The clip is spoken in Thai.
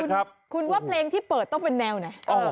คุณว่าเพลงที่เปิดต้องเป็นแนวไหน